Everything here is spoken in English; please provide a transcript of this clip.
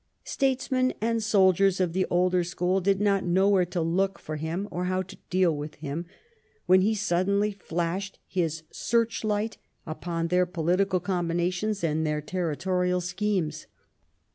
Statesmen and soldiers of the older school did not know where to look for him, or how to deal with him, when he suddenly flashed his search light upon their political combinations and their territorial schemes.